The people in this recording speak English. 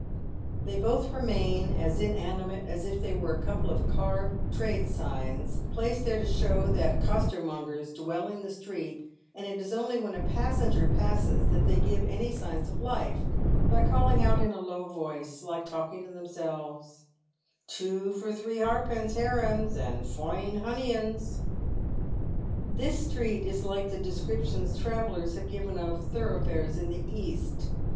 They both remain as inanimate as if they were a couple of carved trade signs placed there to show that coster mongers dwell in the street, and it is only when a passenger passes that they give any signs of life, by calling out in a low voice, like talking to themselves, " Two for three harpence, herrens," and " Poine honneyens." This street is like the descriptions travellers have given of tho roughfares in the East.